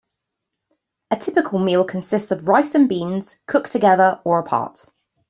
A typical meal consists of rice and beans, cooked together or apart.